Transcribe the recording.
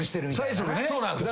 そうなんす。